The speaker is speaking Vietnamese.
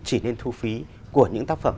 chỉ nên thu phí của những tác phẩm